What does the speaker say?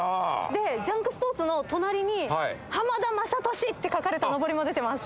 で「ジャンクスポーツ」の隣に「浜田雅功」って書かれたのぼりも出てます。